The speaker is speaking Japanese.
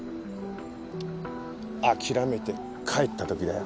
諦めて帰った時だよ。